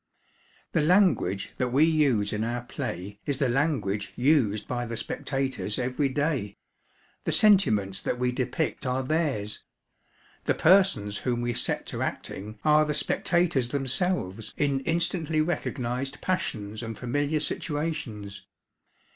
The language that we use in our play is the language used by the spectators every day; the sentiments that we depict are theirs; the persons whom we set to acting are the spectators themselves in instantly recognized passions and familiar situations.